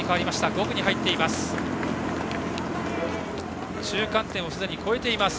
５区に入っています。